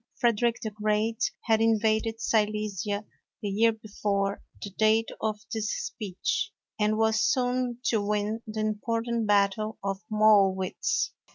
Frederick the Great had invaded Silesia the year before the date of this speech, and was soon to win the important battle of Mollwitz.